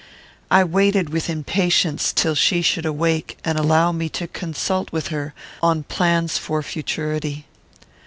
I waited with impatience till she should awake and allow me to consult with her on plans for futurity.